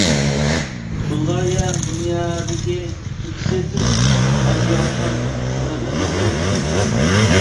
بۇلغارىيە دۇنيادىكى نوپۇسى تېز ئازىيىۋاتقان دۆلەتلەرنىڭ بىرى.